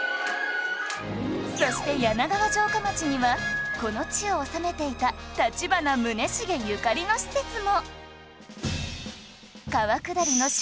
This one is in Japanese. そして柳川城下町にはこの地を治めていた立花宗茂ゆかりの施設も